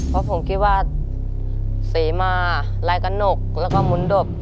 เพราะผมคิดว่าเสมาลายกระหนกแล้วก็หมุนดบ